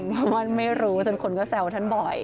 เพราะว่าไม่รู้จนคนก็แซวท่านบ่อย